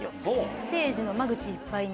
ステージの間口いっぱいに。